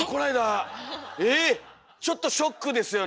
ちょっとショックですよね。